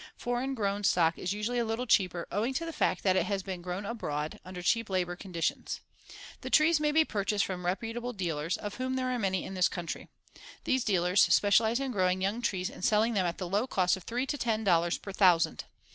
Foreign grown stock is usually a little cheaper, owing to the fact that it has been grown abroad, under cheap labor conditions. The trees may be purchased from reputable dealers, of whom there are many in this country. These dealers specialize in growing young trees and selling them at the low cost of three to ten dollars per thousand.